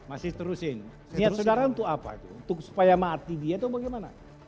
masih terusin niat saudara untuk apa itu untuk supaya mati dia itu bagaimana